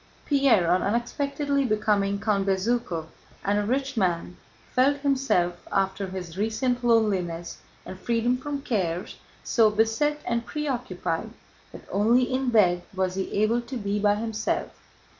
Pierre, on unexpectedly becoming Count Bezúkhov and a rich man, felt himself after his recent loneliness and freedom from cares so beset and preoccupied that only in bed was he able to be by himself.